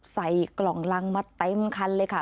ใส่กล่องรังมาเต็มคันเลยค่ะ